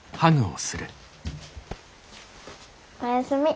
おやすみ。